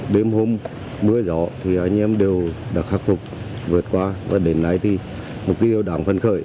đêm hôm mưa gió thì anh em đều đã khắc phục vượt qua và đến nay thì mục tiêu đáng phân khởi